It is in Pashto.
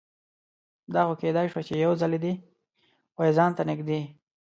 دا خو کیدای شوه چې یوځلې دې وای ځان ته نږدې